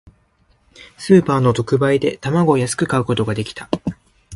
スーパーの特売で、卵を安く買うことができた。